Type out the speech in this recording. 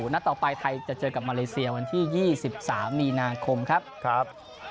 นัดต่อไปไทยจะเจอกับมาเลเซียวันที่๒๓มีนาคมครับ